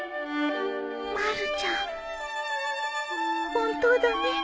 まるちゃん本当だね